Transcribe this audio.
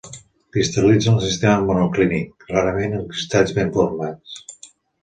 Cristal·litza en el sistema monoclínic, rarament en cristalls ben formats.